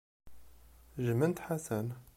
Jjment Ḥasan.